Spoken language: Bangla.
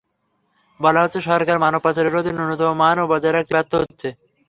বলা হচ্ছে, সরকার মানব পাচার রোধে ন্যূনতম মানও বজায় রাখতে ব্যর্থ হচ্ছে।